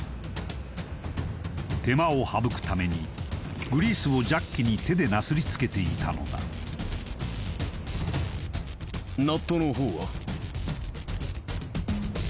手間を省くためにグリースをジャッキに手でなすりつけていたのだ注